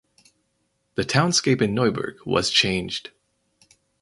The townscape in Neuburg was changed.